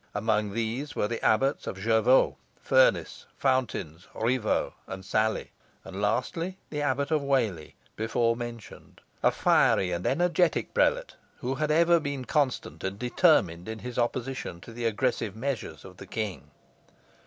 Amongst these were the Abbots of Jervaux, Furness, Fountains, Rivaulx, and Salley, and, lastly, the Abbot of Whalley, before mentioned; a fiery and energetic prelate, who had ever been constant and determined in his opposition to the aggressive measures of the king.